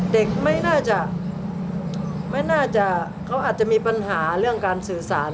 เด็กไม่น่าจะไม่น่าจะเขาอาจจะมีปัญหาเรื่องการสื่อสาร